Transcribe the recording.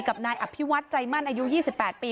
กับนายอภิวัฒน์ใจมั่นอายุ๒๘ปี